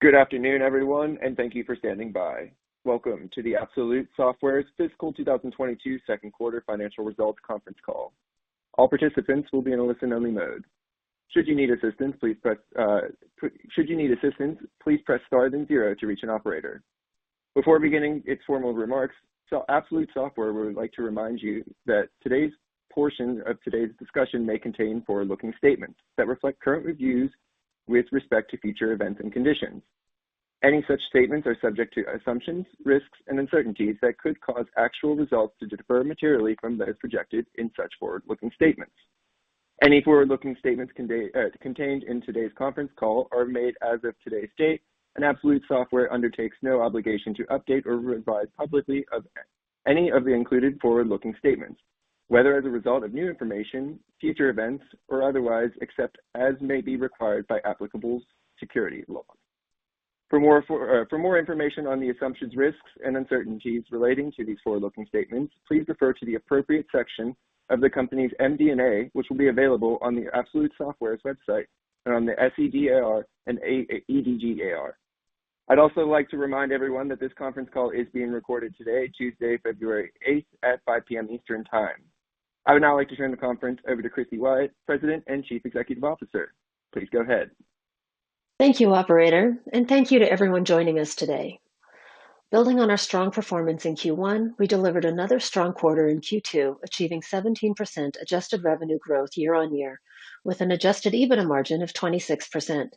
Good afternoon, everyone, and thank you for standing by. Welcome to the Absolute Software's Fiscal 2022 second quarter financial results conference call. All participants will be in a listen-only mode. Should you need assistance, please press star then zero to reach an operator. Before beginning its formal remarks, Absolute Software would like to remind you that today's portion of today's discussion may contain forward-looking statements that reflect current views with respect to future events and conditions. Any such statements are subject to assumptions, risks, and uncertainties that could cause actual results to differ materially from those projected in such forward-looking statements. Any forward-looking statements contained in today's conference call are made as of today's date, and Absolute Software undertakes no obligation to update or revise publicly any of the included forward-looking statements, whether as a result of new information, future events, or otherwise, except as may be required by applicable securities law. For more information on the assumptions, risks, and uncertainties relating to these forward-looking statements, please refer to the appropriate section of the company's MD&A, which will be available on the Absolute Software's website and on the SEDAR and EDGAR. I'd also like to remind everyone that this conference call is being recorded today, Tuesday, 8th February at 5 P.M. Eastern Time. I would now like to turn the conference over to Christy Wyatt, President and Chief Executive Officer. Please go ahead. Thank you, operator, and thank you to everyone joining us today. Building on our strong performance in Q1, we delivered another strong quarter in Q2, achieving 17% adjusted revenue growth year-on-year with an adjusted EBITDA margin of 26%.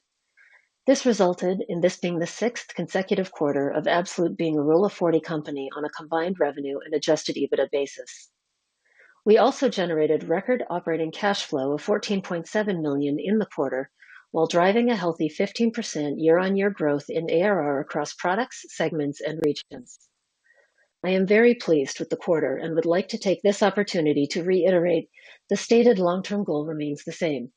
This resulted in this being the sixth consecutive quarter of Absolute being a Rule of 40 company on a combined revenue and adjusted EBITDA basis. We also generated record operating cash flow of $14.7 million in the quarter, while driving a healthy 15% year-on-year growth in ARR across products, segments, and regions. I am very pleased with the quarter and would like to take this opportunity to reiterate the stated long-term goal remains the same.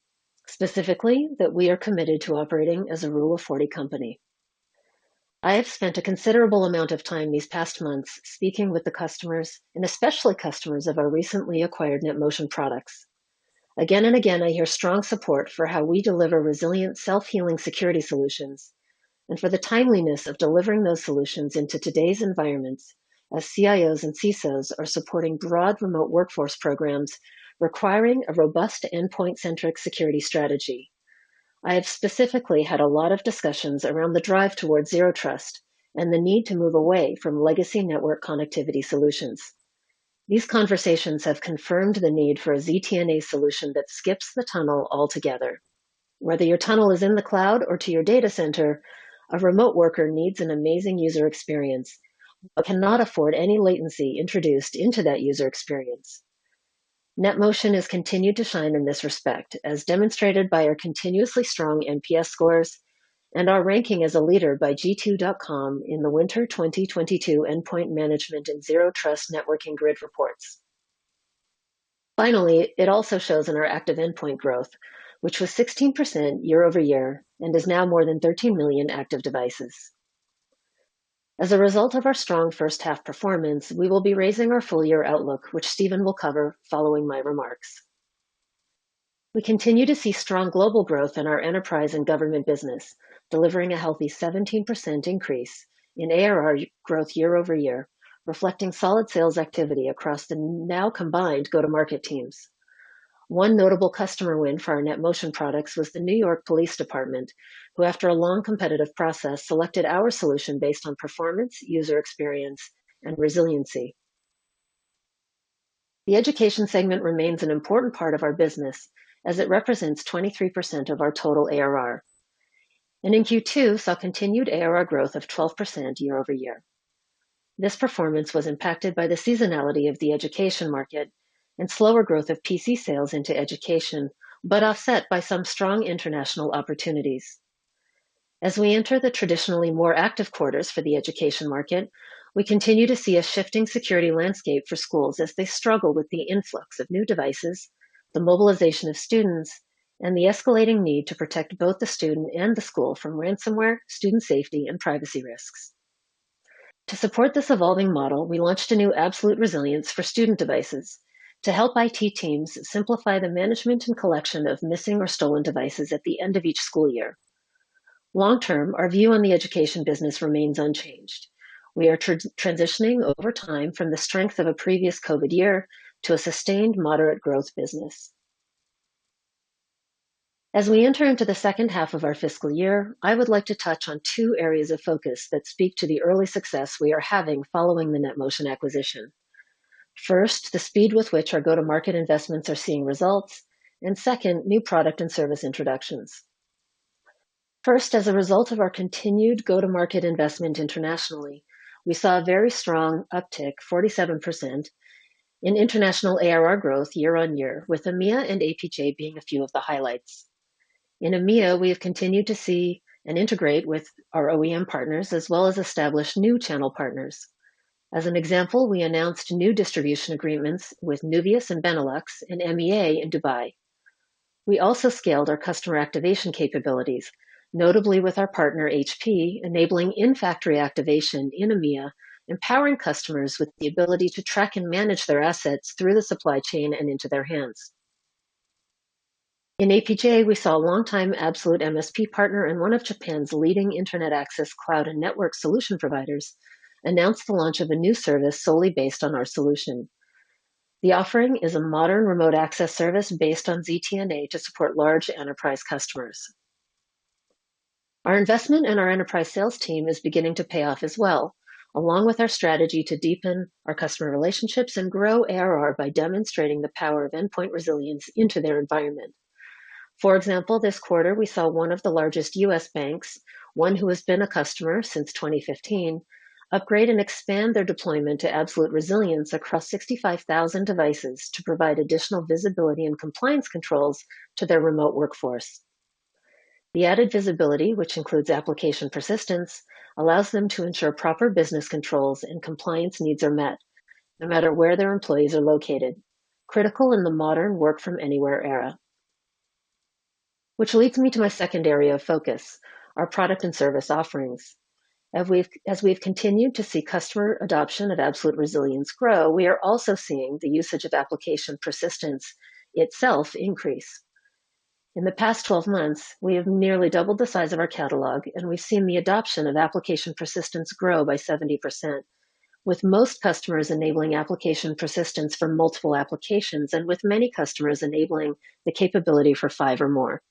Specifically, that we are committed to operating as a Rule of 40 company. I have spent a considerable amount of time these past months speaking with the customers and especially customers of our recently acquired NetMotion products. Again and again, I hear strong support for how we deliver resilient self-healing security solutions and for the timeliness of delivering those solutions into today's environments as CIOs and CISOs are supporting broad remote workforce programs requiring a robust endpoint-centric security strategy. I have specifically had a lot of discussions around the drive towards Zero Trust and the need to move away from legacy network connectivity solutions. These conversations have confirmed the need for a ZTNA solution that skips the tunnel altogether. Whether your tunnel is in the cloud or to your data center, a remote worker needs an amazing user experience, but cannot afford any latency introduced into that user experience. NetMotion has continued to shine in this respect as demonstrated by our continuously strong NPS scores and our ranking as a leader by g2.com in the winter 2022 endpoint management and Zero Trust networking grid reports. Finally, it also shows in our active endpoint growth, which was 16% year-over-year and is now more than 13 million active devices. As a result of our strong first half performance, we will be raising our full year outlook, which Steven will cover following my remarks. We continue to see strong global growth in our enterprise and government business, delivering a healthy 17% increase in ARR growth year-over-year, reflecting solid sales activity across the now combined go-to-market teams. One notable customer win for our NetMotion products was the New York Police Department, who after a long competitive process, selected our solution based on performance, user experience, and resiliency. The education segment remains an important part of our business as it represents 23% of our total ARR. In Q2, we saw continued ARR growth of 12% year-over-year. This performance was impacted by the seasonality of the education market and slower growth of PC sales into education, but offset by some strong international opportunities. As we enter the traditionally more active quarters for the education market, we continue to see a shifting security landscape for schools as they struggle with the influx of new devices, the mobilization of students, and the escalating need to protect both the student and the school from ransomware, student safety, and privacy risks. To support this evolving model, we launched a new Absolute Resilience for Student Devices to help IT teams simplify the management and collection of missing or stolen devices at the end of each school year. Long-term, our view on the education business remains unchanged. We are transitioning over time from the strength of a previous COVID year to a sustained moderate growth business. As we enter into the second half of our fiscal year, I would like to touch on two areas of focus that speak to the early success we are having following the NetMotion acquisition. First, the speed with which our go-to-market investments are seeing results, and second, new product and service introductions. First, as a result of our continued go-to-market investment internationally, we saw a very strong uptick, 47% in international ARR growth year-over-year, with EMEA and APJ being a few of the highlights. In EMEA, we have continued to see and integrate with our OEM partners, as well as establish new channel partners. As an example, we announced new distribution agreements with Nuvias and Benelux in MEA in Dubai. We also scaled our customer activation capabilities, notably with our partner HP, enabling in-factory activation in EMEA, empowering customers with the ability to track and manage their assets through the supply chain and into their hands. In APJ, we saw a longtime Absolute MSP partner and one of Japan's leading internet access cloud and network solution providers announce the launch of a new service solely based on our solution. The offering is a modern remote access service based on ZTNA to support large enterprise customers. Our investment in our enterprise sales team is beginning to pay off as well, along with our strategy to deepen our customer relationships and grow ARR by demonstrating the power of endpoint resilience into their environment. For example, this quarter we saw one of the largest U.S. banks, one who has been a customer since 2015, upgrade and expand their deployment to Absolute Resilience across 65,000 devices to provide additional visibility and compliance controls to their remote workforce. The added visibility, which includes application persistence, allows them to ensure proper business controls and compliance needs are met no matter where their employees are located, critical in the modern work from anywhere era. Which leads me to my second area of focus, our product and service offerings. As we've continued to see customer adoption of Absolute Resilience grow, we are also seeing the usage of Application Persistence itself increase. In the past 12 months, we have nearly doubled the size of our catalog, and we've seen the adoption of Application Persistence grow by 70%. With most customers enabling Application Persistence for multiple applications, and with many customers enabling the capability for five or more.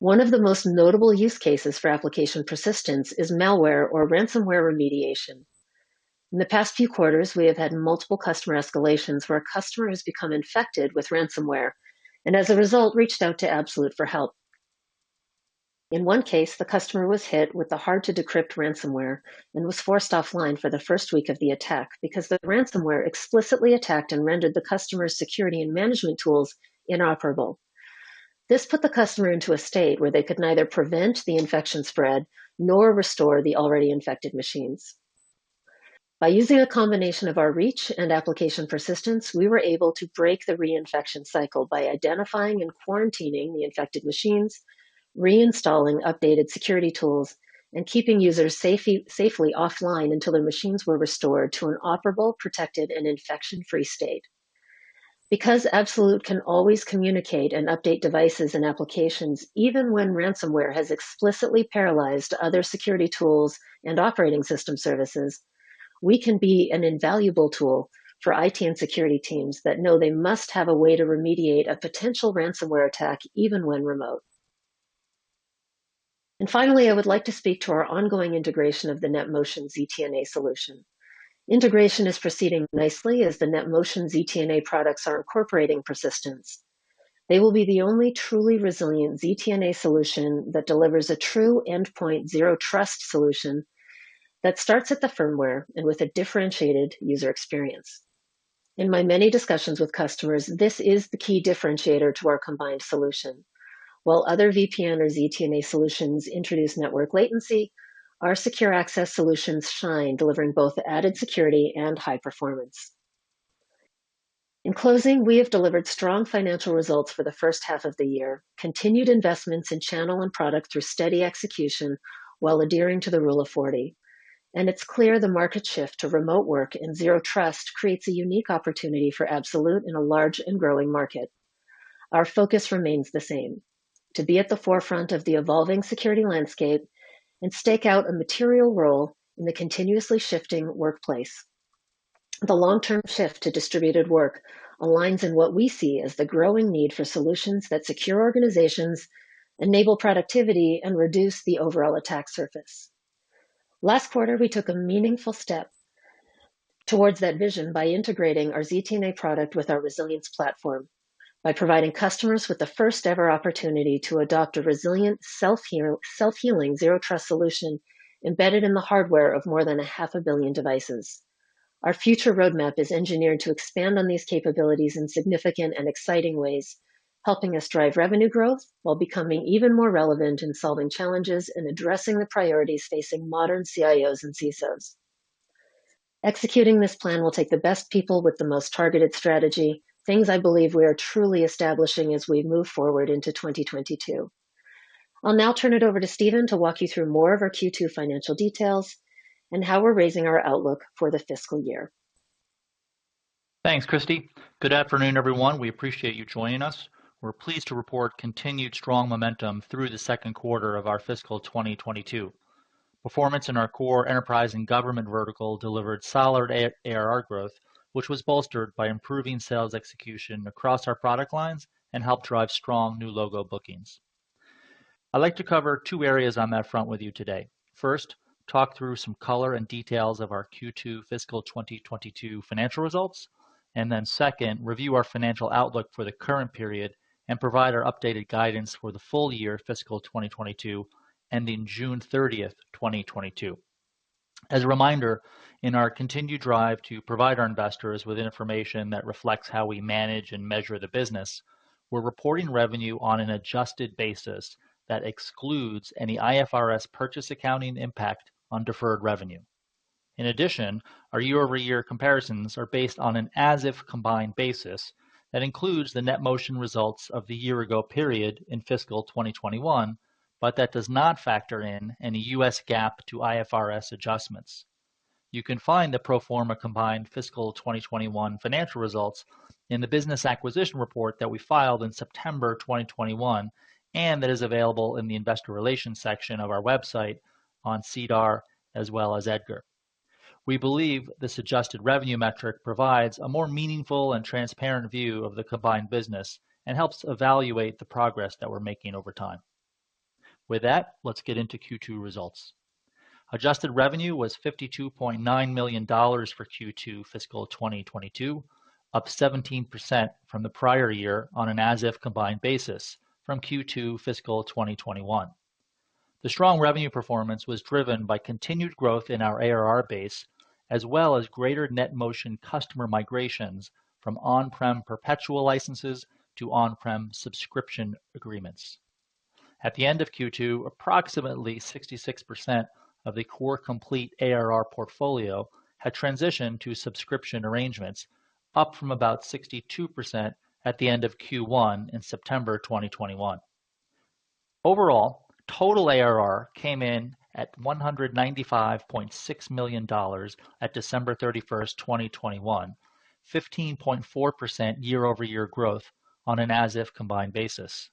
One of the most notable use cases for Application Persistence is malware or ransomware remediation. In the past few quarters, we have had multiple customer escalations where a customer has become infected with ransomware and as a result reached out to Absolute for help. In one case, the customer was hit with a hard-to-decrypt ransomware and was forced offline for the first week of the attack because the ransomware explicitly attacked and rendered the customer's security and management tools inoperable. This put the customer into a state where they could neither prevent the infection spread nor restore the already infected machines. By using a combination of our reach and Application Persistence, we were able to break the reinfection cycle by identifying and quarantining the infected machines, reinstalling updated security tools, and keeping users safely offline until their machines were restored to an operable, protected, and infection-free state. Because Absolute can always communicate and update devices and applications even when ransomware has explicitly paralyzed other security tools and operating system services, we can be an invaluable tool for IT and security teams that know they must have a way to remediate a potential ransomware attack, even when remote. Finally, I would like to speak to our ongoing integration of the NetMotion ZTNA solution. Integration is proceeding nicely as the NetMotion ZTNA products are incorporating Persistence. They will be the only truly resilient ZTNA solution that delivers a true endpoint Zero Trust solution that starts at the firmware and with a differentiated user experience. In my many discussions with customers, this is the key differentiator to our combined solution. While other VPN or ZTNA solutions introduce network latency, our secure access solutions shine, delivering both added security and high performance. In closing, we have delivered strong financial results for the first half of the year, continued investments in channel and product through steady execution while adhering to the Rule of 40. It's clear the market shift to remote work and Zero Trust creates a unique opportunity for Absolute in a large and growing market. Our focus remains the same, to be at the forefront of the evolving security landscape and stake out a material role in the continuously shifting workplace. The long-term shift to distributed work aligns in what we see as the growing need for solutions that secure organizations, enable productivity, and reduce the overall attack surface. Last quarter, we took a meaningful step towards that vision by integrating our ZTNA product with our Resilience platform by providing customers with the first-ever opportunity to adopt a resilient, self-heal, self-healing zero trust solution embedded in the hardware of more than 500 million devices. Our future roadmap is engineered to expand on these capabilities in significant and exciting ways, helping us drive revenue growth while becoming even more relevant in solving challenges and addressing the priorities facing modern CIOs and CISOs. Executing this plan will take the best people with the most targeted strategy, things I believe we are truly establishing as we move forward into 2022. I'll now turn it over to Steven to walk you through more of our Q2 financial details and how we're raising our outlook for the fiscal year. Thanks, Christy. Good afternoon, everyone. We appreciate you joining us. We're pleased to report continued strong momentum through the second quarter of our fiscal 2022. Performance in our core enterprise and government vertical delivered solid AR, ARR growth, which was bolstered by improving sales execution across our product lines and helped drive strong new logo bookings. I'd like to cover two areas on that front with you today. First, talk through some color and details of our Q2 fiscal 2022 financial results. Then second, review our financial outlook for the current period and provide our updated guidance for the full year fiscal 2022, ending 30th June, 2022. As a reminder, in our continued drive to provide our investors with information that reflects how we manage and measure the business, we're reporting revenue on an adjusted basis that excludes any IFRS purchase accounting impact on deferred revenue. In addition, our year-over-year comparisons are based on an as if combined basis that includes the NetMotion results of the year ago period in fiscal 2021, but that does not factor in any U.S. GAAP to IFRS adjustments. You can find the pro forma combined fiscal 2021 financial results in the business acquisition report that we filed in September 2021, and that is available in the investor relations section of our website on SEDAR as well as EDGAR. We believe this adjusted revenue metric provides a more meaningful and transparent view of the combined business and helps evaluate the progress that we're making over time. With that, let's get into Q2 results. Adjusted revenue was $52.9 million for Q2 fiscal 2022, up 17% from the prior year on an as-if combined basis from Q2 fiscal 2021. The strong revenue performance was driven by continued growth in our ARR base, as well as greater NetMotion customer migrations from on-prem perpetual licenses to on-prem subscription agreements. At the end of Q2, approximately 66% of the Core Complete ARR portfolio had transitioned to subscription arrangements, up from about 62% at the end of Q1 in September 2021. Overall, total ARR came in at $195.6 million at 31st December, 2021, 15.4% year-over-year growth on an as-if combined basis.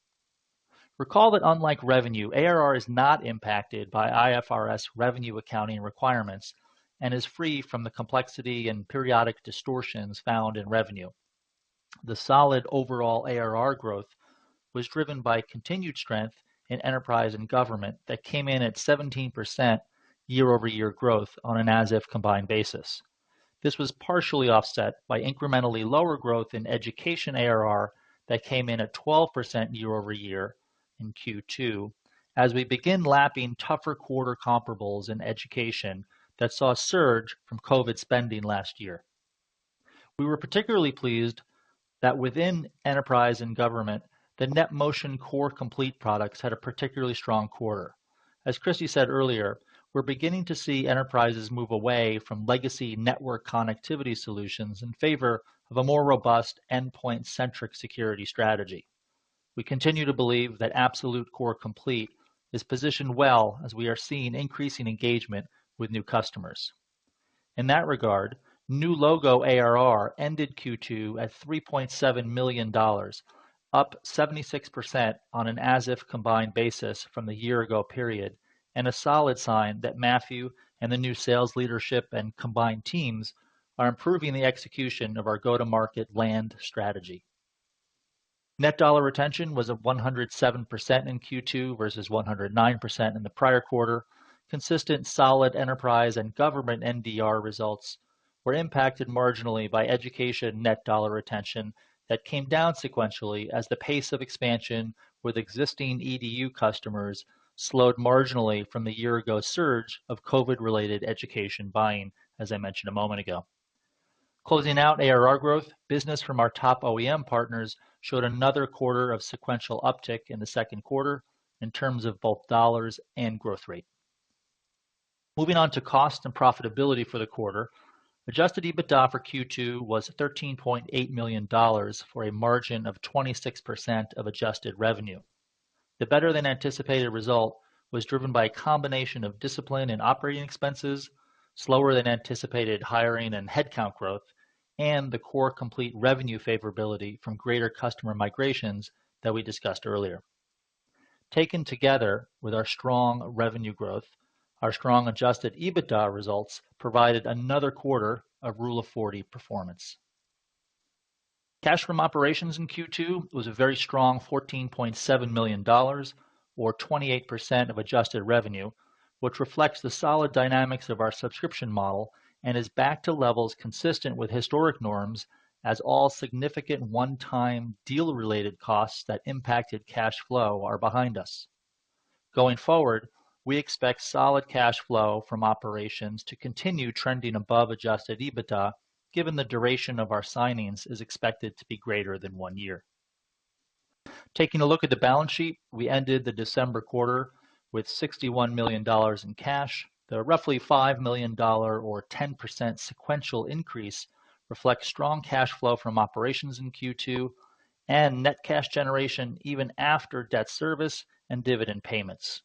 Recall that unlike revenue, ARR is not impacted by IFRS revenue accounting requirements and is free from the complexity and periodic distortions found in revenue. The solid overall ARR growth was driven by continued strength in enterprise and government that came in at 17% year-over-year growth on an as-if combined basis. This was partially offset by incrementally lower growth in education ARR that came in at 12% year-over-year in Q2 as we begin lapping tougher quarter comparables in education that saw a surge from COVID spending last year. We were particularly pleased that within enterprise and government, the NetMotion Core Complete products had a particularly strong quarter. As Christy said earlier, we're beginning to see enterprises move away from legacy network connectivity solutions in favor of a more robust endpoint-centric security strategy. We continue to believe that Absolute Core Complete is positioned well as we are seeing increasing engagement with new customers. In that regard, new logo ARR ended Q2 at $3.7 million, up 76% on an as-if combined basis from the year ago period, and a solid sign that Matthew and the new sales leadership and combined teams are improving the execution of our go-to-market land strategy. Net dollar retention was at 107% in Q2 versus 109% in the prior quarter. Consistent solid enterprise and government NDR results were impacted marginally by education net dollar retention that came down sequentially as the pace of expansion with existing EDU customers slowed marginally from the year ago surge of COVID-related education buying, as I mentioned a moment ago. Closing out ARR growth, business from our top OEM partners showed another quarter of sequential uptick in the second quarter in terms of both dollars and growth rate. Moving on to cost and profitability for the quarter, adjusted EBITDA for Q2 was $13.8 million for a margin of 26% of adjusted revenue. The better-than-anticipated result was driven by a combination of discipline in operating expenses, slower-than-anticipated hiring and headcount growth, and the Core Complete revenue favorability from greater customer migrations that we discussed earlier. Taken together with our strong revenue growth, our strong adjusted EBITDA results provided another quarter of Rule of 40 performance. Cash from operations in Q2 was a very strong $14.7 million or 28% of adjusted revenue, which reflects the solid dynamics of our subscription model and is back to levels consistent with historic norms as all significant one-time deal-related costs that impacted cash flow are behind us. Going forward, we expect solid cash flow from operations to continue trending above adjusted EBITDA, given the duration of our signings is expected to be greater than one year. Taking a look at the balance sheet, we ended the December quarter with $61 million in cash. The roughly $5 million or 10% sequential increase reflects strong cash flow from operations in Q2 and net cash generation even after debt service and dividend payments.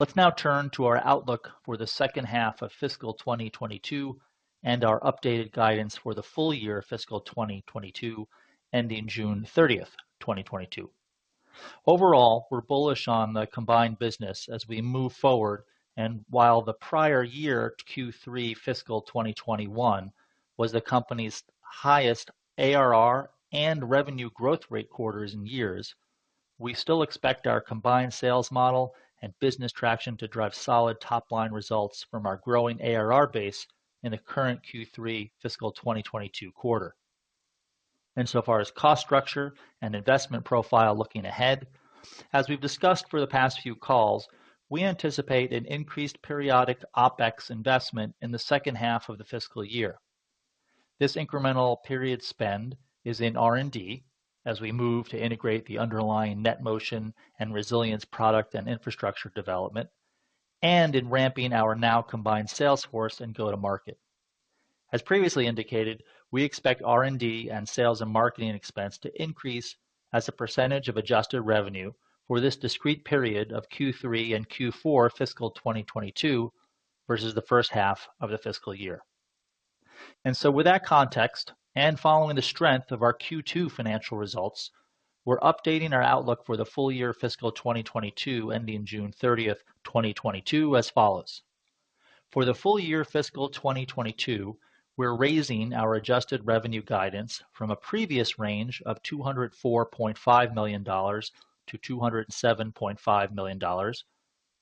Let's now turn to our outlook for the second half of fiscal 2022 and our updated guidance for the full year fiscal 2022 ending 30th June, 2022. Overall, we're bullish on the combined business as we move forward. While the prior year Q3 fiscal 2021 was the company's highest ARR and revenue growth rate quarters in years, we still expect our combined sales model and business traction to drive solid top-line results from our growing ARR base in the current Q3 fiscal 2022 quarter. Insofar as cost structure and investment profile looking ahead, as we've discussed for the past few calls, we anticipate an increased periodic OpEx investment in the second half of the fiscal year. This incremental period spend is in R&D as we move to integrate the underlying NetMotion and Resilience product and infrastructure development and in ramping our now combined sales force and go-to-market. As previously indicated, we expect R&D and sales and marketing expense to increase as a percentage of adjusted revenue for this discrete period of Q3 and Q4 fiscal 2022 versus the first half of the fiscal year. With that context, and following the strength of our Q2 financial results, we're updating our outlook for the full year fiscal 2022 ending 30th June, 2022 as follows. For the full year fiscal 2022, we're raising our adjusted revenue guidance from a previous range of $204.5 million-$207.5 million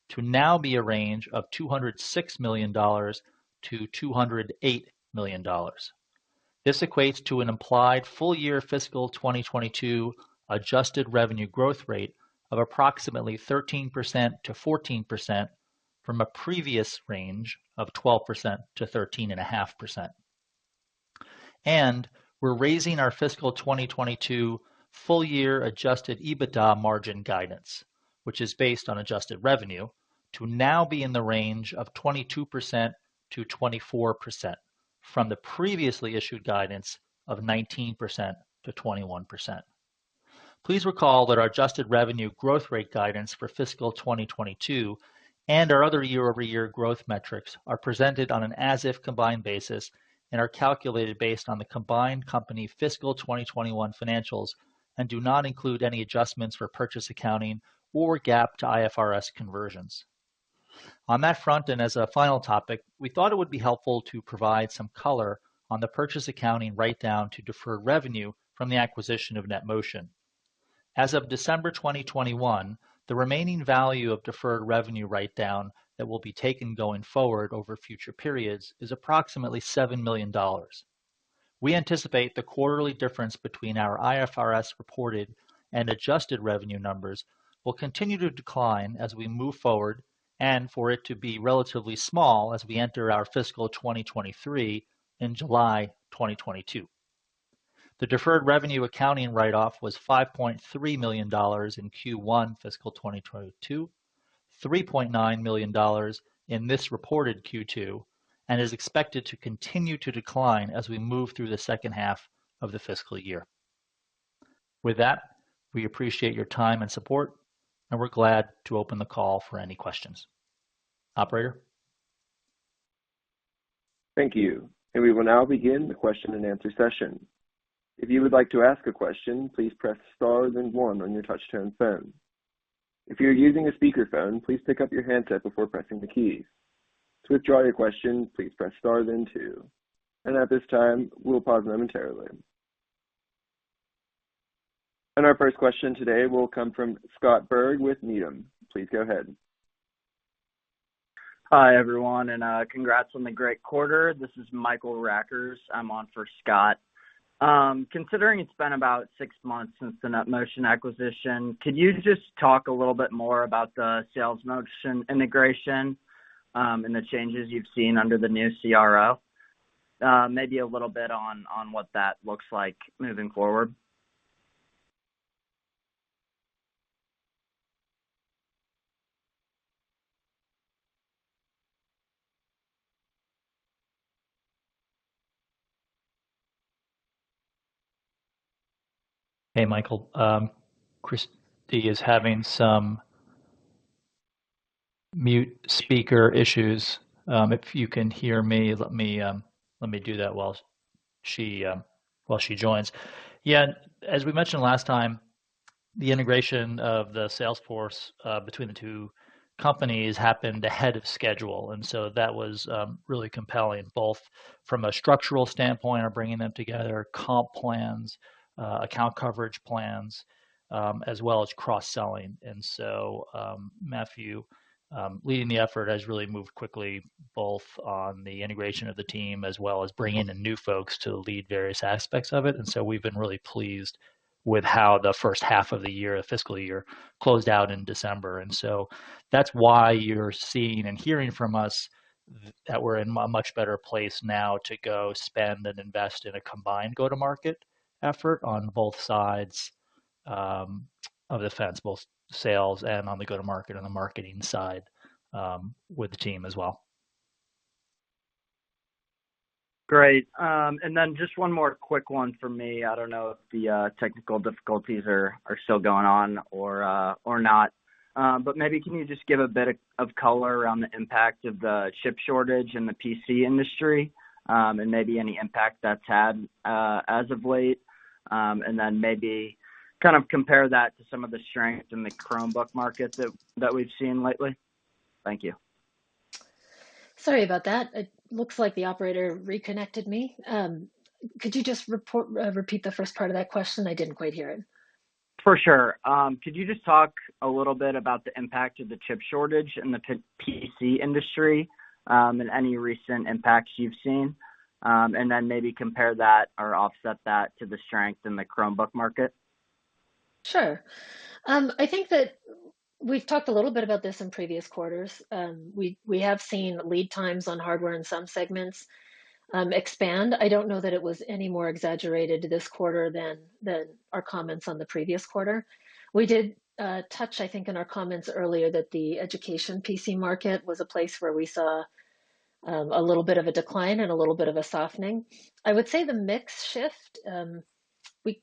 to now be a range of $206 million-$208 million. This equates to an implied full-year fiscal 2022 adjusted revenue growth rate of approximately 13%-14% from a previous range of 12%-13.5%. We're raising our fiscal 2022 full-year adjusted EBITDA margin guidance, which is based on adjusted revenue to now be in the range of 22%-24% from the previously issued guidance of 19%-21%. Please recall that our adjusted revenue growth rate guidance for fiscal 2022 and our other year-over-year growth metrics are presented on an as if combined basis and are calculated based on the combined company fiscal 2021 financials and do not include any adjustments for purchase accounting or GAAP to IFRS conversions. On that front, and as a final topic, we thought it would be helpful to provide some color on the purchase accounting write-down to deferred revenue from the acquisition of NetMotion. As of December 2021, the remaining value of deferred revenue write-down that will be taken going forward over future periods is approximately $7 million. We anticipate the quarterly difference between our IFRS reported and adjusted revenue numbers will continue to decline as we move forward, and for it to be relatively small as we enter our fiscal 2023 in July 2022. The deferred revenue accounting write-off was $5.3 million in Q1 fiscal 2022, $3.9 million in this reported Q2, and is expected to continue to decline as we move through the second half of the fiscal year. With that, we appreciate your time and support, and we're glad to open the call for any questions. Operator? Thank you. We will now begin the question-and-answer session. If you would like to ask a question, please press star then one on your touchtone phone. If you're using a speakerphone, please pick up your handset before pressing the key. To withdraw your question, please press star then two. At this time, we'll pause momentarily. Our first question today will come from Scott Berg with Needham. Please go ahead. Hi, everyone, and congrats on the great quarter. This is Michael Rackers. I'm on for Scott. Considering it's been about six months since the NetMotion acquisition, could you just talk a little bit more about the sales motion integration, and the changes you've seen under the new CRO? Maybe a little bit on what that looks like moving forward. Hey, Michael. Christy is having some mute speaker issues. If you can hear me, let me do that while she joins. Yeah, as we mentioned last time, the integration of the sales force between the two companies happened ahead of schedule, and so that was really compelling, both from a structural standpoint of bringing them together, comp plans, account coverage plans, as well as cross-selling. Matthew leading the effort has really moved quickly, both on the integration of the team as well as bringing in new folks to lead various aspects of it. We've been really pleased with how the first half of the year, the fiscal year closed out in December. That's why you're seeing and hearing from us that we're in a much better place now to go spend and invest in a combined go-to-market effort on both sides of the fence, both sales and on the go-to-market on the marketing side, with the team as well. Great. Just one more quick one for me. I don't know if the technical difficulties are still going on or not. Maybe can you just give a bit of color around the impact of the chip shortage in the PC industry and maybe any impact that's had as of late and then kind of compare that to some of the strengths in the Chromebook market that we've seen lately? Thank you. Sorry about that. It looks like the operator reconnected me. Could you just repeat the first part of that question? I didn't quite hear it. For sure. Could you just talk a little bit about the impact of the chip shortage in the PC industry, and any recent impacts you've seen? Maybe compare that or offset that to the strength in the Chromebook market. Sure. I think that we've talked a little bit about this in previous quarters. We have seen lead times on hardware in some segments expand. I don't know that it was any more exaggerated this quarter than our comments on the previous quarter. We did touch, I think, in our comments earlier that the education PC market was a place where we saw a little bit of a decline and a little bit of a softening. I would say the mix shift,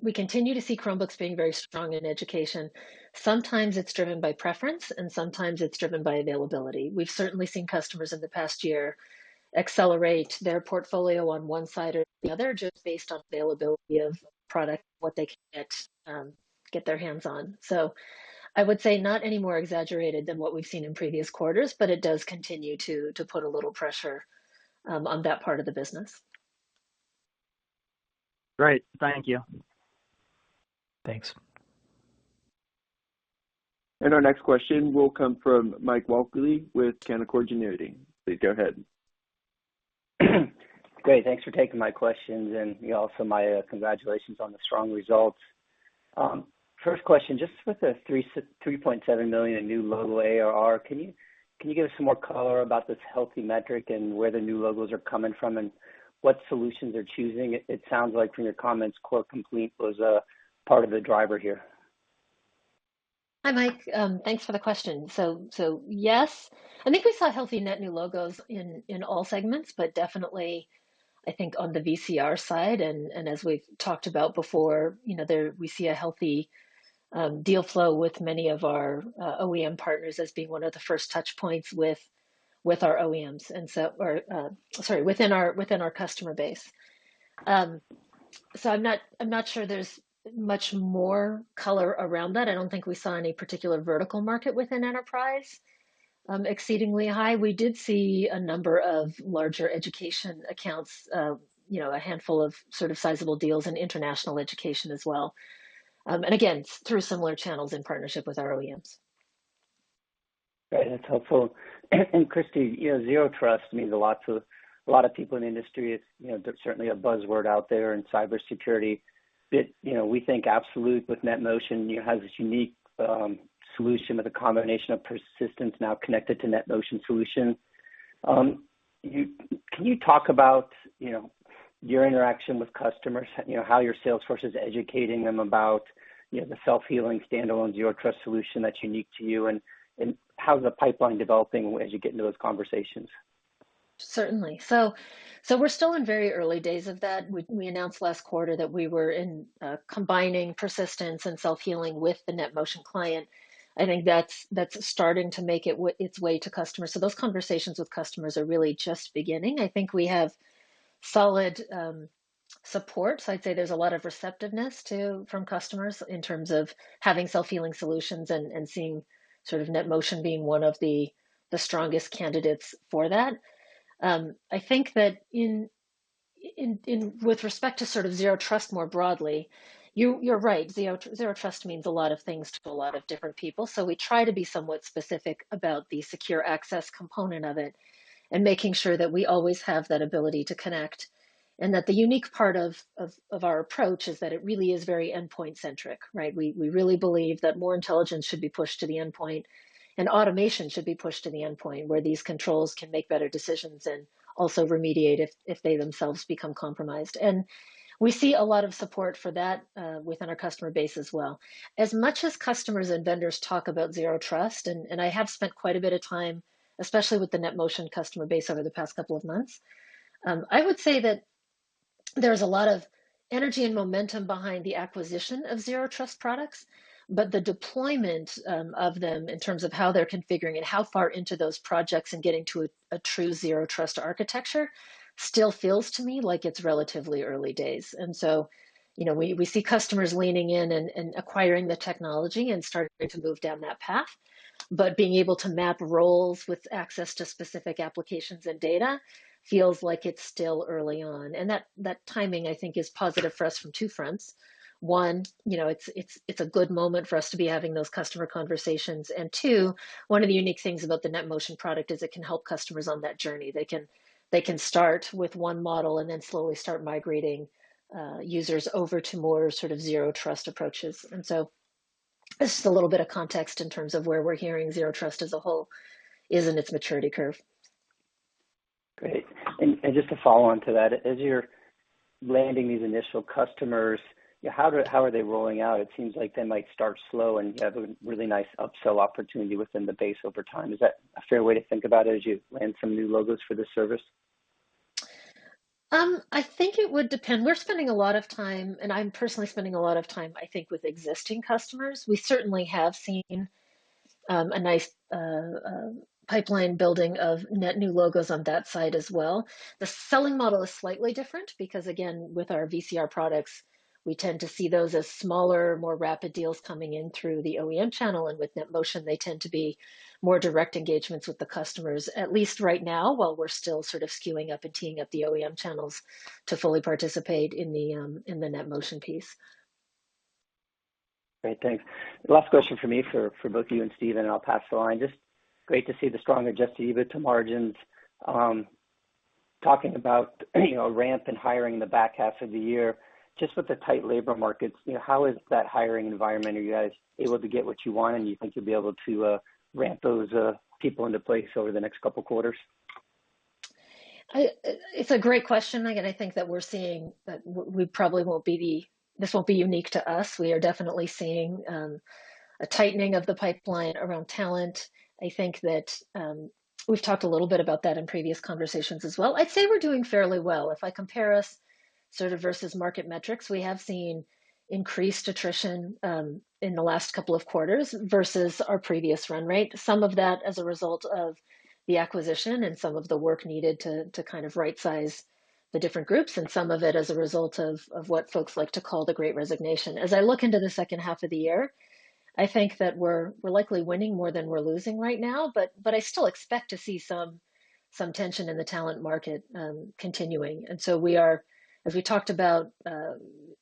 we continue to see Chromebooks being very strong in education. Sometimes it's driven by preference, and sometimes it's driven by availability. We've certainly seen customers in the past year accelerate their portfolio on one side or the other just based on availability of product, what they can get their hands on. I would say not any more exaggerated than what we've seen in previous quarters, but it does continue to put a little pressure on that part of the business. Great. Thank you. Thanks. Our next question will come from Mike Walkley with Canaccord Genuity. Please go ahead. Great. Thanks for taking my questions and also my congratulations on the strong results. First question, just with the $3.7 million in new logo ARR, can you give us some more color about this healthy metric and where the new logos are coming from and what solutions they're choosing? It sounds like from your comments, Core Complete was part of the driver here. Hi, Mike. Thanks for the question. Yes, I think we saw healthy net new logos in all segments, but definitely I think on the VCR side and as we've talked about before, there we see a healthy deal flow with many of our OEM partners as being one of the first touch points within our customer base. I'm not sure there's much more color around that. I don't think we saw any particular vertical market within enterprise exceedingly high. We did see a number of larger education accounts, a handful of sort of sizable deals in international education as well. Again, through similar channels in partnership with our OEMs. Great. That's helpful. Christy, you know, zero trust means a lot to a lot of people in the industry. You know, there's certainly a buzzword out there in cybersecurity that, you know, we think Absolute with NetMotion, you know, has this unique solution with a combination of Persistence now connected to NetMotion solution. Can you talk about, you know, your interaction with customers? You know, how your sales force is educating them about, you know, the self-healing standalone zero trust solution that's unique to you and how's the pipeline developing as you get into those conversations? Certainly. We're still in very early days of that. We announced last quarter that we were combining Persistence and self-healing with the NetMotion client. I think that's starting to make its way to customers. Those conversations with customers are really just beginning. I think we have solid support. I'd say there's a lot of receptiveness to from customers in terms of having self-healing solutions and seeing sort of NetMotion being one of the strongest candidates for that. I think that in with respect to sort of Zero Trust more broadly, you're right. Zero Trust means a lot of things to a lot of different people. We try to be somewhat specific about the secure access component of it and making sure that we always have that ability to connect, and that the unique part of our approach is that it really is very endpoint-centric, right? We really believe that more intelligence should be pushed to the endpoint, and automation should be pushed to the endpoint where these controls can make better decisions and also remediate if they themselves become compromised. We see a lot of support for that within our customer base as well. As much as customers and vendors talk about Zero Trust, and I have spent quite a bit of time, especially with the NetMotion customer base over the past couple of months, I would say that there's a lot of energy and momentum behind the acquisition of Zero Trust products, but the deployment of them in terms of how they're configuring it, how far into those projects and getting to a true Zero Trust architecture still feels to me like it's relatively early days. You know, we see customers leaning in and acquiring the technology and starting to move down that path. But being able to map roles with access to specific applications and data feels like it's still early on. That timing I think is positive for us from two fronts. One, you know, it's a good moment for us to be having those customer conversations. Two, one of the unique things about the NetMotion product is it can help customers on that journey. They can start with 1 model and then slowly start migrating users over to more sort of Zero Trust approaches. This is a little bit of context in terms of where we're hearing Zero Trust as a whole is in its maturity curve. Great. Just to follow on to that, as you're landing these initial customers, how are they rolling out? It seems like they might start slow and you have a really nice upsell opportunity within the base over time. Is that a fair way to think about it as you land some new logos for this service? I think it would depend. We're spending a lot of time, and I'm personally spending a lot of time, I think, with existing customers. We certainly have seen a nice pipeline building of net new logos on that side as well. The selling model is slightly different because again, with our VCR products, we tend to see those as smaller, more rapid deals coming in through the OEM channel. With NetMotion, they tend to be more direct engagements with the customers, at least right now, while we're still sort of skewing up and teeing up the OEM channels to fully participate in the NetMotion piece. Great. Thanks. Last question from me for both you and Steven, and I'll pass the line. Just great to see the stronger adjusted EBITDA margins. Talking about, you know, ramp and hiring in the back half of the year, just with the tight labor markets, you know, how is that hiring environment? Are you guys able to get what you want, and you think you'll be able to ramp those people into place over the next couple quarters? It's a great question. Again, I think that we're seeing that we probably won't be. This won't be unique to us. We are definitely seeing a tightening of the pipeline around talent. I think that we've talked a little bit about that in previous conversations as well. I'd say we're doing fairly well. If I compare us sort of versus market metrics, we have seen increased attrition in the last couple of quarters versus our previous run rate. Some of that as a result of the acquisition and some of the work needed to kind of right-size the different groups, and some of it as a result of what folks like to call the Great Resignation. As I look into the second half of the year, I think that we're likely winning more than we're losing right now, but I still expect to see some tension in the talent market continuing. We are, as we talked about,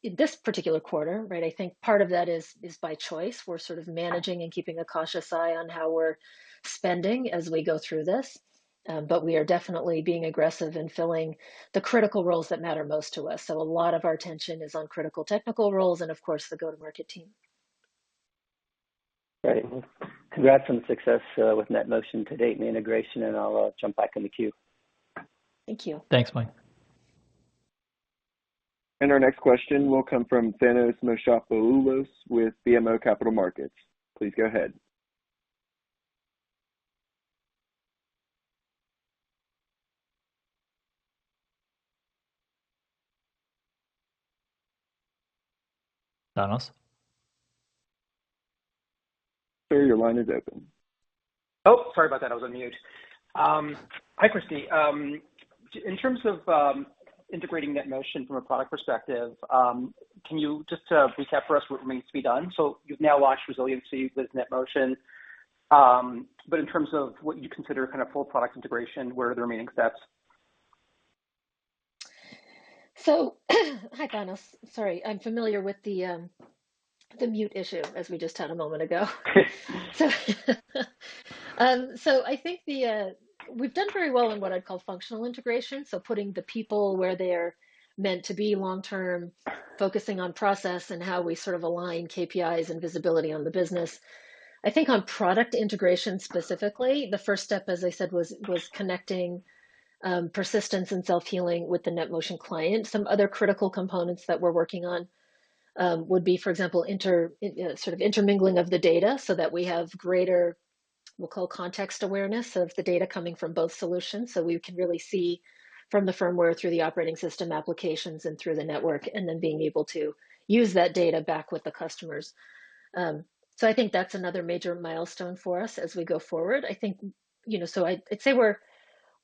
in this particular quarter, right, I think part of that is by choice. We're sort of managing and keeping a cautious eye on how we're spending as we go through this. But we are definitely being aggressive in filling the critical roles that matter most to us. A lot of our attention is on critical technical roles and of course the go-to-market team. Great. Well, congrats on the success with NetMotion to date and the integration, and I'll jump back in the queue. Thank you. Thanks, Mike. Our next question will come from Thanos Moschopoulos with BMO Capital Markets. Please go ahead. Thanos? Sir, your line is open. Oh, sorry about that. I was on mute. Hi, Christy. In terms of integrating NetMotion from a product perspective, can you just recap for us what remains to be done? You've now launched Resilience with NetMotion, but in terms of what you consider kind of full product integration, what are the remaining steps? Hi, Thanos. Sorry, I'm familiar with the mute issue as we just had a moment ago. I think that we've done very well in what I'd call functional integration, putting the people where they're meant to be long term, focusing on process and how we sort of align KPIs and visibility on the business. I think on product integration specifically, the first step, as I said, was connecting Persistence and self-healing with the NetMotion client. Some other critical components that we're working on would be, for example, intermingling of the data so that we have greater, we'll call context awareness of the data coming from both solutions. We can really see from the firmware through the operating system applications and through the network, and then being able to use that data back with the customers. I think that's another major milestone for us as we go forward. I think, you know, I'd say we're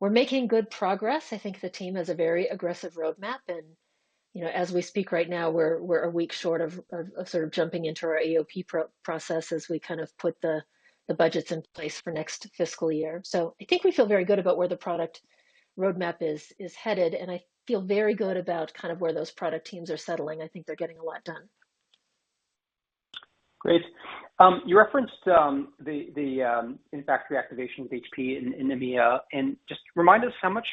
making good progress. I think the team has a very aggressive roadmap and, you know, as we speak right now, we're a week short of sort of jumping into our AOP process as we kind of put the budgets in place for next fiscal year. I think we feel very good about where the product roadmap is headed, and I feel very good about kind of where those product teams are settling. I think they're getting a lot done. Great. You referenced the reactivation with HP in EMEA. Just remind us how much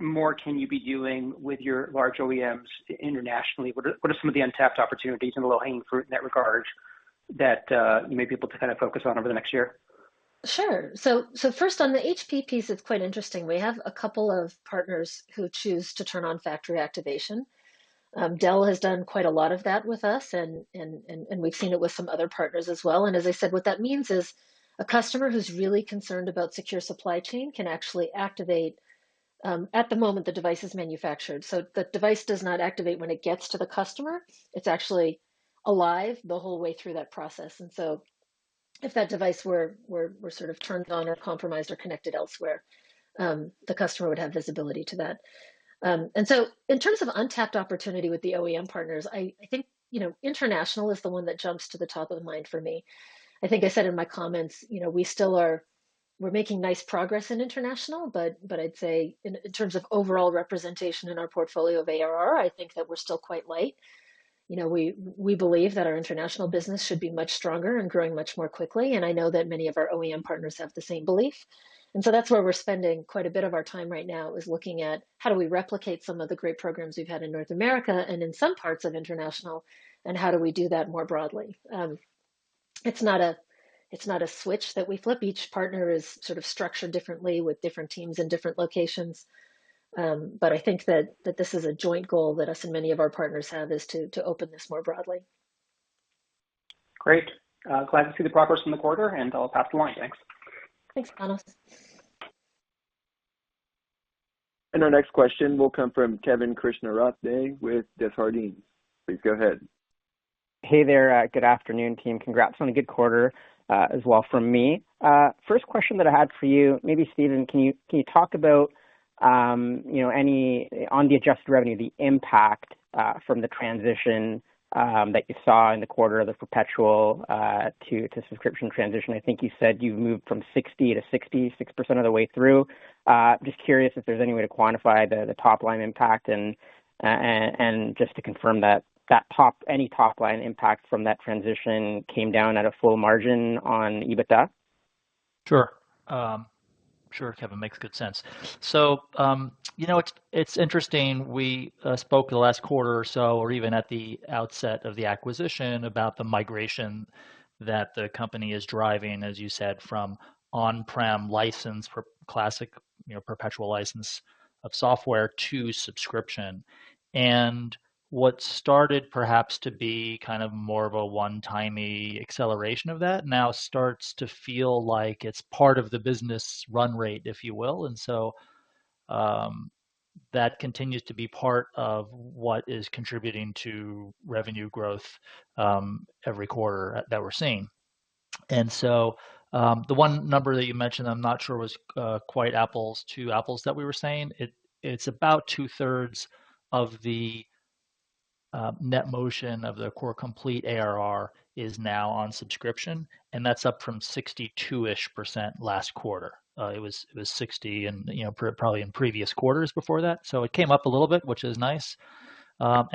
more can you be doing with your large OEMs internationally? What are some of the untapped opportunities and the low-hanging fruit in that regard that you may be able to kind of focus on over the next year? Sure. First on the HP piece, it's quite interesting. We have a couple of partners who choose to turn on factory activation. Dell has done quite a lot of that with us, and we've seen it with some other partners as well. As I said, what that means is a customer who's really concerned about secure supply chain can actually activate at the moment the device is manufactured. The device does not activate when it gets to the customer. It's actually alive the whole way through that process. If that device were sort of turned on or compromised or connected elsewhere, the customer would have visibility to that. In terms of untapped opportunity with the OEM partners, I think, you know, international is the one that jumps to the top of mind for me. I think I said in my comments, you know, we're making nice progress in international, but I'd say in terms of overall representation in our portfolio of ARR, I think that we're still quite light. You know, we believe that our international business should be much stronger and growing much more quickly, and I know that many of our OEM partners have the same belief. That's where we're spending quite a bit of our time right now, is looking at how do we replicate some of the great programs we've had in North America and in some parts of international, and how do we do that more broadly. It's not a switch that we flip. Each partner is sort of structured differently with different teams in different locations. I think that this is a joint goal that us and many of our partners have, is to open this more broadly. Great. Glad to see the progress from the quarter, and I'll pass the line. Thanks. Thanks, Thanos. Our next question will come from Kevin Krishnaratne with Desjardins. Please go ahead. Hey there. Good afternoon, team. Congrats on a good quarter, as well from me. First question that I had for you, maybe Steven, can you talk about, you know, any, on the adjusted revenue, the impact, from the transition, that you saw in the quarter of the perpetual, to subscription transition? I think you said you moved from 60%-66% of the way through. Just curious if there's any way to quantify the top line impact and just to confirm that any top line impact from that transition came down at a full margin on EBITDA. Sure. Sure, Kevin. Makes good sense. You know, it's interesting. We spoke the last quarter or so or even at the outset of the acquisition about the migration that the company is driving, as you said, from on-prem license for classic, you know, perpetual license of software to subscription. What started perhaps to be kind of more of a one-time-y acceleration of that now starts to feel like it's part of the business run rate, if you will. The one number that you mentioned, I'm not sure was quite apples to apples that we were saying. It's about two-thirds of the NetMotion Core Complete ARR is now on subscription, and that's up from 62-ish% last quarter. It was 60 and, you know, probably in previous quarters before that. It came up a little bit, which is nice.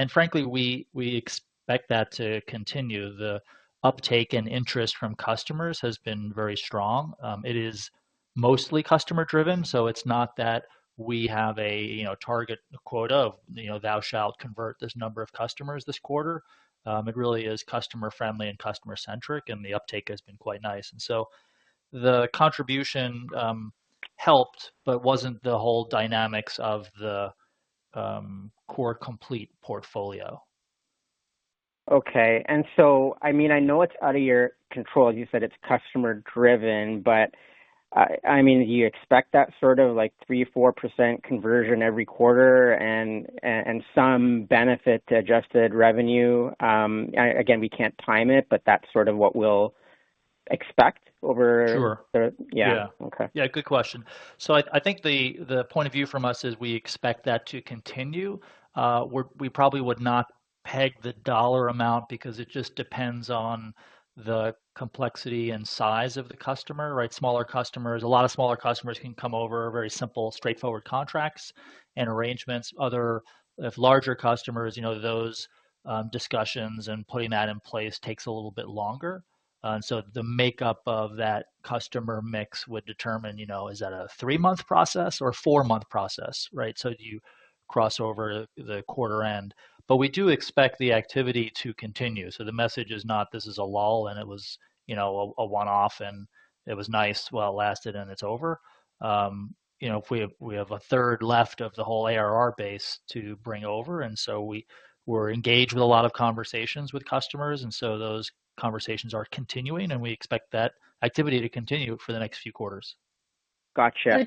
Frankly, we expect that to continue. The uptake and interest from customers has been very strong. It is mostly customer-driven, so it's not that we have a target quota of, you know, thou shalt convert this number of customers this quarter. It really is customer-friendly and customer-centric, and the uptake has been quite nice. The contribution helped, but wasn't the whole dynamics of the Core Complete portfolio. Okay. I mean, I know it's out of your control, you said it's customer-driven, but I mean, do you expect that sort of like 3%-4% conversion every quarter and some benefit to adjusted revenue? Again, we can't time it, but that's sort of what we'll expect over. Sure. Yeah. Yeah. Okay. Yeah, good question. I think the point of view from us is we expect that to continue. We probably would not peg the dollar amount because it just depends on the complexity and size of the customer, right? Smaller customers, a lot of smaller customers can come over, very simple, straightforward contracts and arrangements. Others, if larger customers, you know, those discussions and putting that in place takes a little bit longer. The makeup of that customer mix would determine, you know, is that a three-month process or a four-month process, right? Do you cross over the quarter end. We do expect the activity to continue. The message is not, this is a lull and it was, you know, a one-off and it was nice while it lasted and it's over. You know, if we have a third left of the whole ARR base to bring over, and so we're engaged with a lot of conversations with customers, and so those conversations are continuing, and we expect that activity to continue for the next few quarters. Gotcha.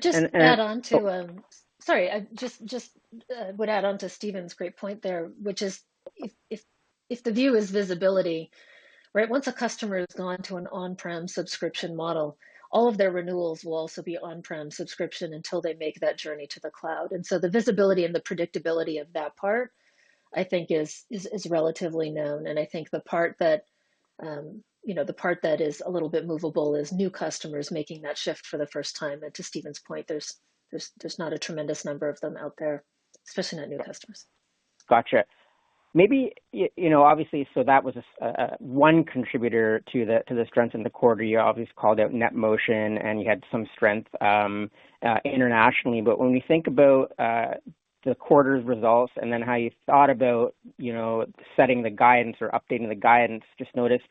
I would just add on to Steven's great point there, which is if the view is visibility, right? Once a customer has gone to an on-prem subscription model, all of their renewals will also be on-prem subscription until they make that journey to the cloud. The visibility and the predictability of that part, I think, is relatively known. I think the part that, you know, the part that is a little bit movable is new customers making that shift for the first time. To Steven's point, there's not a tremendous number of them out there, especially not new customers. Gotcha. Maybe you know, obviously, so that was one contributor to the strength in the quarter. You obviously called out NetMotion, and you had some strength internationally. When we think about the quarter's results and then how you thought about you know, setting the guidance or updating the guidance, I just noticed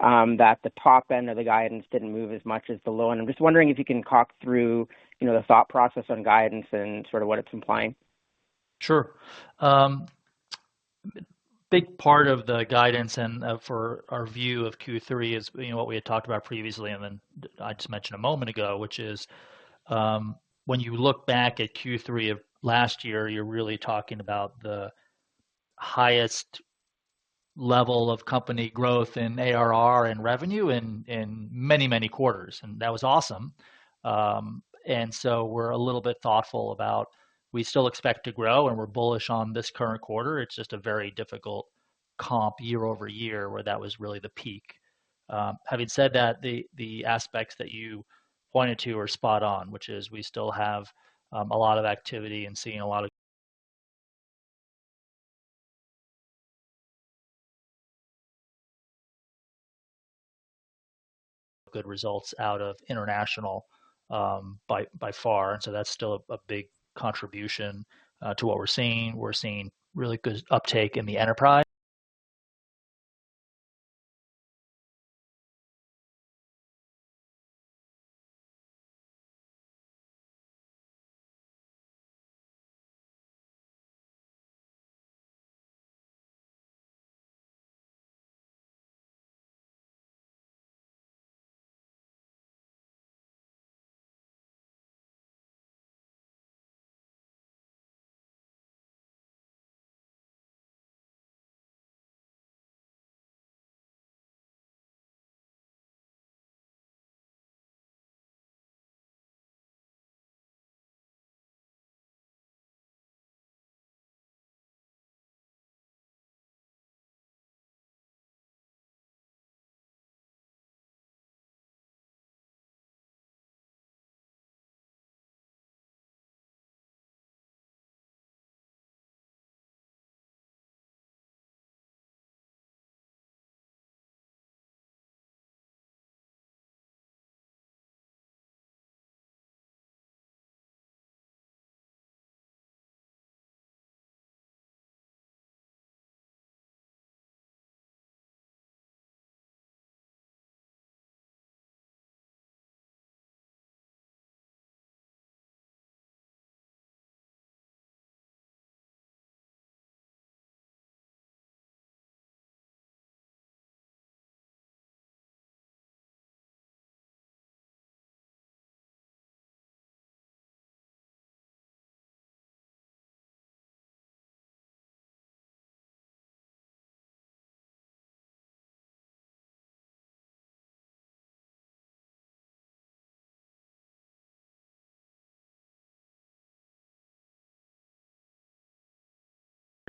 that the top end of the guidance didn't move as much as the low end. I'm just wondering if you can talk through you know, the thought process on guidance and sort of what it's implying. Sure. Big part of the guidance and for our view of Q3 is, you know, what we had talked about previously and then I just mentioned a moment ago, which is, when you look back at Q3 of last year, you're really talking about the highest level of company growth in ARR and revenue in many quarters, and that was awesome. We're a little bit thoughtful about we still expect to grow, and we're bullish on this current quarter. It's just a very difficult comp year-over-year where that was really the peak. Having said that, the aspects that you pointed to are spot on, which is we still have a lot of activity and seeing a lot of good results out of international by far. That's still a big contribution to what we're seeing. We're seeing really good uptake in the enterprise year where that was really the peak. Having said that, the aspects that you pointed to are spot on, which is we still have a lot of activity and seeing a lot of good results out of international by far. That's still a big contribution to what we're seeing. We're seeing really good uptake in the enterprise. Coming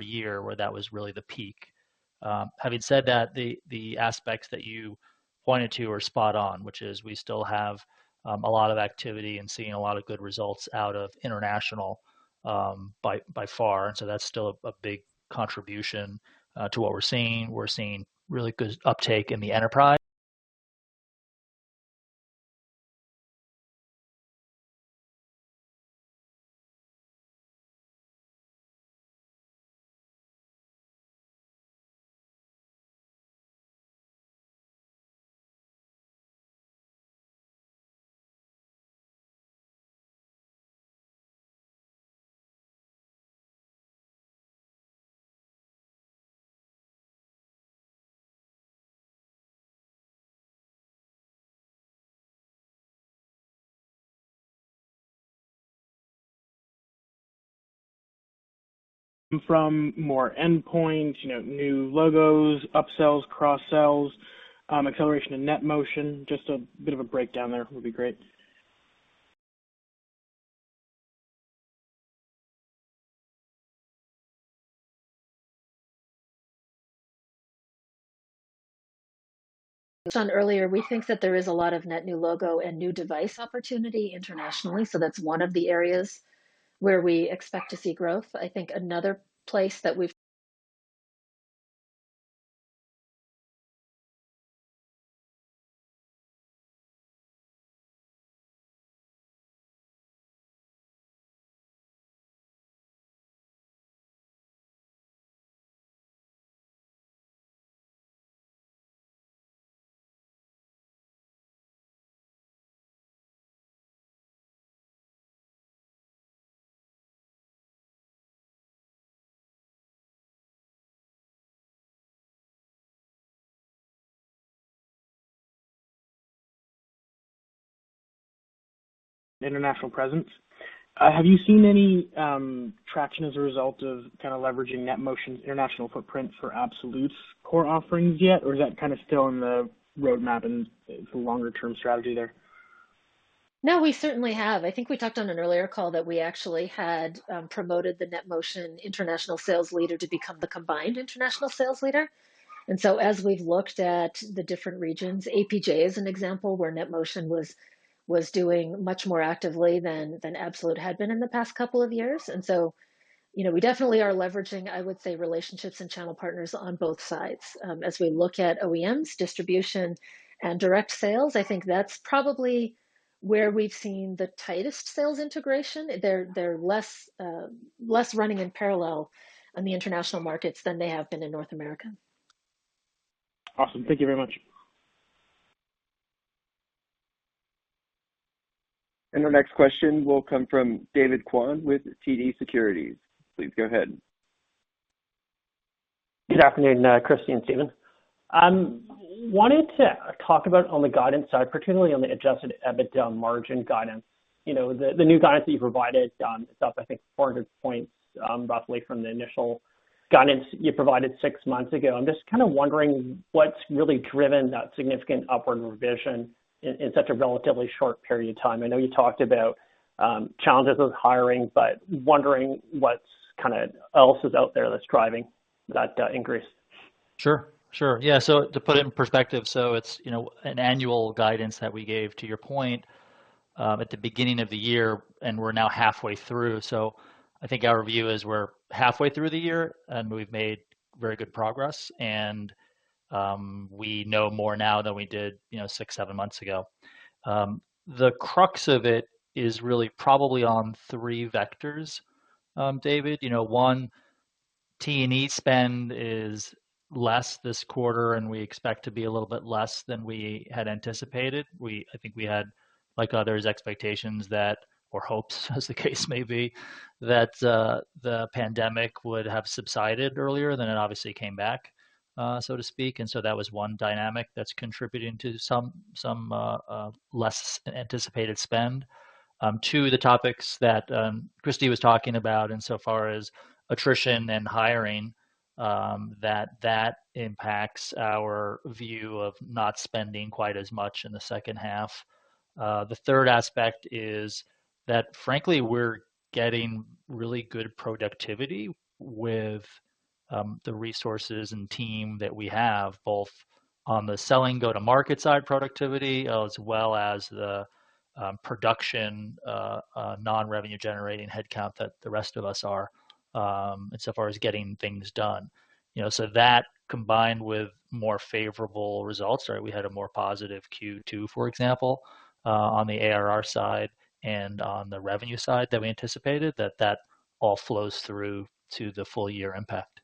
from more endpoints, you know, new logos, upsells, cross-sells, acceleration in NetMotion. Just a bit of a breakdown there would be great. As Sean said earlier, we think that there is a lot of net new logo and new device opportunity internationally, so that's one of the areas where we expect to see growth. I think another place that we've International presence. Have you seen any traction as a result of kinda leveraging NetMotion's international footprint for Absolute's core offerings yet, or is that kinda still in the roadmap and it's a longer-term strategy there? No, we certainly have. I think we talked on an earlier call that we actually had promoted the NetMotion international sales leader to become the combined international sales leader. As we've looked at the different regions, APJ is an example where NetMotion was doing much more actively than Absolute had been in the past couple of years. You know, we definitely are leveraging, I would say, relationships and channel partners on both sides. As we look at OEMs, distribution, and direct sales, I think that's probably where we've seen the tightest sales integration. They're less running in parallel on the international markets than they have been in North America. Awesome. Thank you very much. Our next question will come from David Kwan with TD Securities. Please go ahead. Good afternoon, Christy and Steven. I wanted to talk about on the guidance side, particularly on the adjusted EBITDA margin guidance. You know, the new guidance that you provided is up I think 400 points, roughly from the initial guidance you provided six months ago. I'm just kinda wondering what's really driven that significant upward revision in such a relatively short period of time. I know you talked about challenges with hiring, but wondering what's kinda else is out there that's driving that increase. Sure. Yeah, to put it in perspective, it's, you know, an annual guidance that we gave, to your point, at the beginning of the year, and we're now halfway through. I think our view is we're halfway through the year, and we've made very good progress, and we know more now than we did, you know, six, seven months ago. The crux of it is really probably on three vectors, David. You know, one, T&E spend is less this quarter, and we expect to be a little bit less than we had anticipated. I think we had, like others, expectations that or hopes, as the case may be, that the pandemic would have subsided earlier, then it obviously came back, so to speak. That was one dynamic that's contributing to some less anticipated spend. Two, the topics that Christy was talking about in so far as attrition and hiring, that impacts our view of not spending quite as much in the second half. The third aspect is that, frankly, we're getting really good productivity with the resources and team that we have, both on the selling go-to-market side productivity, as well as the production, non-revenue generating headcount that the rest of us are in so far as getting things done. You know, so that combined with more favorable results, right? We had a more positive Q2, for example, on the ARR side and on the revenue side that we anticipated, that all flows through to the full year impact.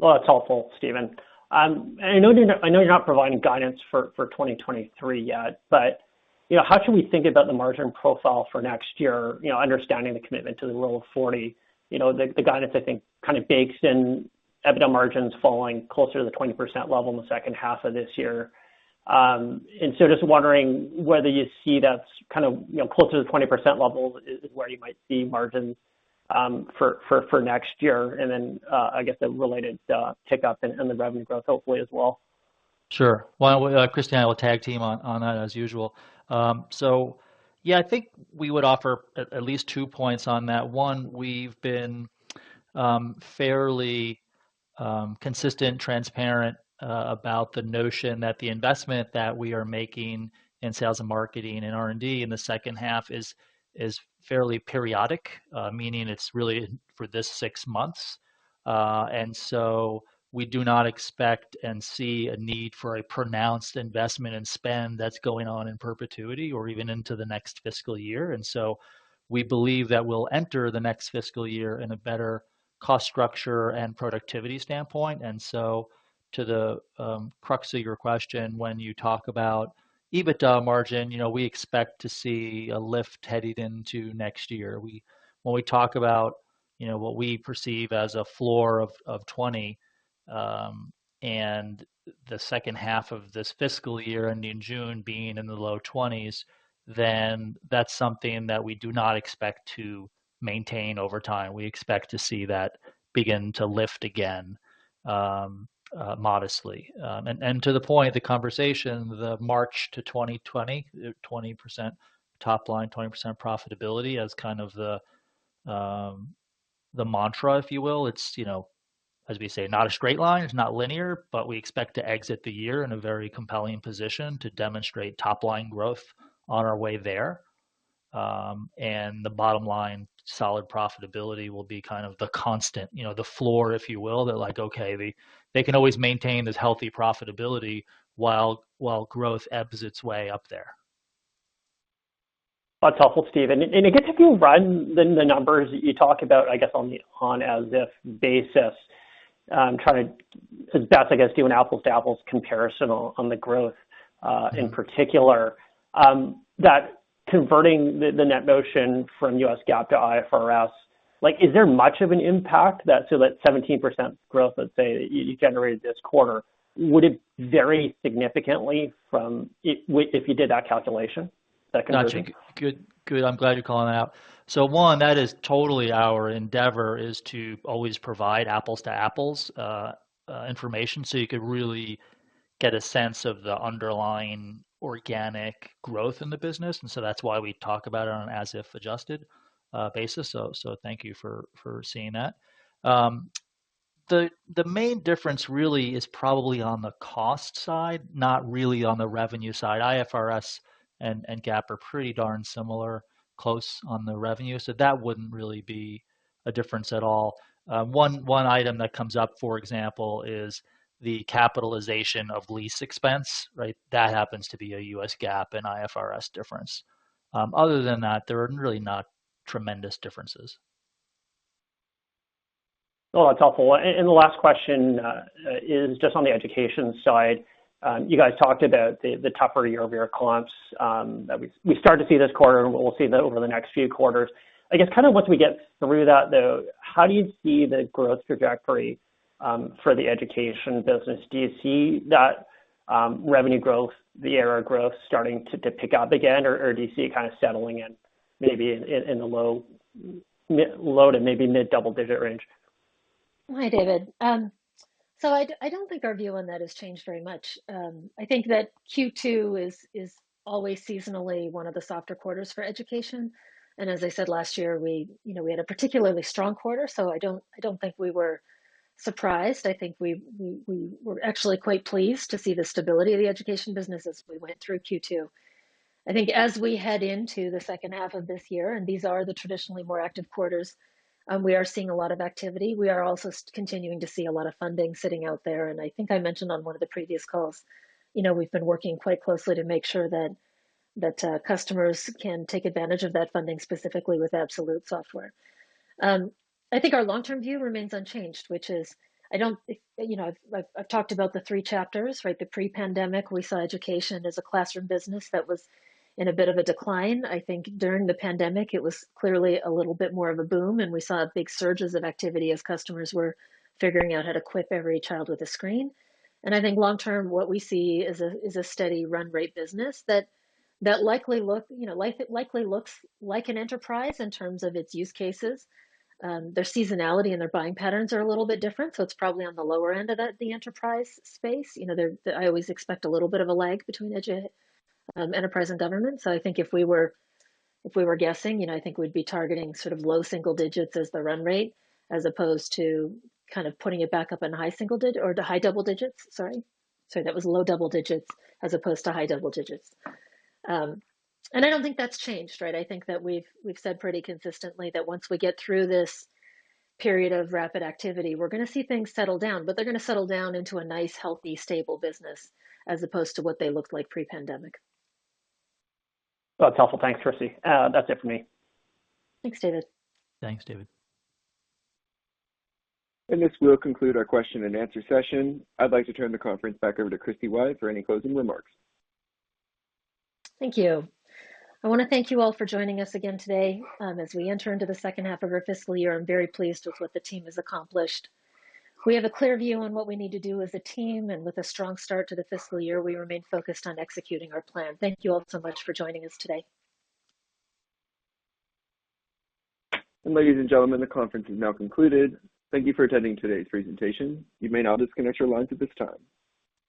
Well, that's helpful, Steven. I know you're not providing guidance for 2023 yet, but you know, how should we think about the margin profile for next year, you know, understanding the commitment to the Rule of 40? You know, the guidance I think kind of bakes in EBITDA margins falling closer to the 20% level in the second half of this year. Just wondering whether you see that's kind of, you know, closer to the 20% level is where you might see margins for next year and then I guess a related tick up in the revenue growth hopefully as well. Sure. Well, Christy and I will tag team on that as usual. Yeah, I think we would offer at least two points on that. One, we've been fairly consistent, transparent about the notion that the investment that we are making in sales and marketing and R&D in the second half is fairly periodic. Meaning it's really for this six months. We do not expect and see a need for a pronounced investment in spend that's going on in perpetuity or even into the next fiscal year. We believe that we'll enter the next fiscal year in a better cost structure and productivity standpoint. To the crux of your question, when you talk about EBITDA margin, you know, we expect to see a lift headed into next year. When we talk about, you know, what we perceive as a floor of 20 and the second half of this fiscal year ending in June being in the low 20s, then that's something that we do not expect to maintain over time. We expect to see that begin to lift again modestly. To the point, the conversation, the march to 2020, the 20% top line, 20% profitability as kind of the mantra, if you will. As we say, not a straight line. It's not linear, but we expect to exit the year in a very compelling position to demonstrate top line growth on our way there. The bottom line, solid profitability will be kind of the constant, you know, the floor if you will. They're like, okay, they can always maintain this healthy profitability while growth ebbs its way up there. That's helpful, Steven. I guess if you run the numbers that you talk about, I guess on as if basis, trying to as best I can do an apples to apples comparison on the growth, in particular, converting the NetMotion from U.S. GAAP to IFRS, like, is there much of an impact? That 17% growth, let's say that you generated this quarter, would it vary significantly from IFRS if you did that calculation, that conversion? Good, good. I'm glad you're calling that out. One, that is totally our endeavor is to always provide apples to apples information, so you could really get a sense of the underlying organic growth in the business. That's why we talk about it on an as if adjusted basis. Thank you for seeing that. The main difference really is probably on the cost side, not really on the revenue side. IFRS and GAAP are pretty darn similar, close on the revenue. That wouldn't really be a difference at all. One item that comes up, for example, is the capitalization of lease expense, right? That happens to be a U.S. GAAP and IFRS difference. Other than that, there are really not tremendous differences. Oh, that's helpful. The last question is just on the education side. You guys talked about the tougher year-over-year comps that we started to see this quarter and we'll see that over the next few quarters. I guess kind of once we get through that though, how do you see the growth trajectory for the education business? Do you see that revenue growth, the ARR growth starting to pick up again or do you see it kind of settling in maybe in the low to mid double-digit range? Hi, David. I don't think our view on that has changed very much. I think that Q2 is always seasonally one of the softer quarters for education. As I said last year, you know, we had a particularly strong quarter, so I don't think we were surprised. I think we were actually quite pleased to see the stability of the education business as we went through Q2. I think as we head into the second half of this year, and these are the traditionally more active quarters, we are seeing a lot of activity. We are also continuing to see a lot of funding sitting out there. I think I mentioned on one of the previous calls, you know, we've been working quite closely to make sure that customers can take advantage of that funding specifically with Absolute Software. I think our long-term view remains unchanged. You know, I've talked about the three chapters, right? The pre-pandemic, we saw education as a classroom business that was in a bit of a decline. I think during the pandemic, it was clearly a little bit more of a boom, and we saw big surges of activity as customers were figuring out how to equip every child with a screen. I think long term, what we see is a steady run rate business that likely looks, you know, like an enterprise in terms of its use cases. Their seasonality and their buying patterns are a little bit different. It's probably on the lower end of the enterprise space. You know, I always expect a little bit of a lag between enterprise and government. I think if we were guessing, you know, I think we'd be targeting sort of low single digits as the run rate, as opposed to kind of putting it back up in high double digits. Sorry, that was low double digits as opposed to high double digits. I don't think that's changed, right? I think that we've said pretty consistently that once we get through this period of rapid activity, we're gonna see things settle down, but they're gonna settle down into a nice, healthy, stable business as opposed to what they looked like pre-pandemic. That's helpful. Thanks, Christy. That's it for me. Thanks, David. Thanks, David. This will conclude our question-and-answer session. I'd like to turn the conference back over to Christy Wyatt for any closing remarks. Thank you. I wanna thank you all for joining us again today. As we enter into the second half of our fiscal year, I'm very pleased with what the team has accomplished. We have a clear view on what we need to do as a team, and with a strong start to the fiscal year, we remain focused on executing our plan. Thank you all so much for joining us today. Ladies and gentlemen, the conference is now concluded. Thank you for attending today's presentation. You may now disconnect your lines at this time.